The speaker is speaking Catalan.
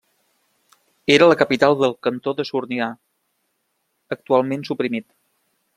Era la capital del cantó de Sornià, actualment suprimit.